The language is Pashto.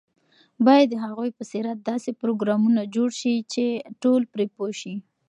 باید د هغوی په سیرت داسې پروګرامونه جوړ شي چې ټول پرې پوه شي.